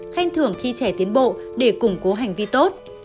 khen thưởng khi trẻ tiến bộ để củng cố hành vi tốt